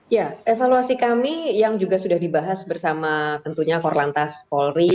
ya evaluasi kami yang juga sudah dibahas bersama tentunya korlantas polri